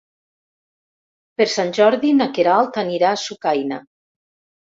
Per Sant Jordi na Queralt anirà a Sucaina.